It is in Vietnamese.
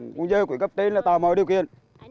nguồn dơ của cấp trên là tà mờ điều kiện